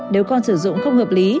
nếu con sử dụng không hợp lý